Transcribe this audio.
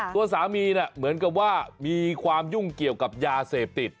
ตัวสามีเหมือนกับว่ามีความยุ่งเกี่ยวกับยาเสพติด